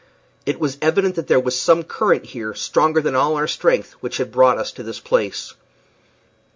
It was evident that there was some current here, stronger than all our strength, which had brought us to this place.